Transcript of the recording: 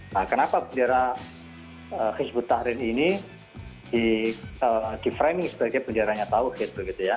nah kenapa bendera hizbut tahrir ini di framing sebagai benderanya tawhid